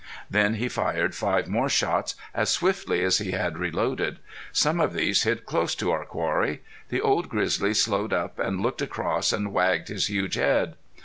Then he fired five more shots as swiftly as he had reloaded. Some of these hit close to our quarry. The old grizzly slowed up, and looked across, and wagged his huge head.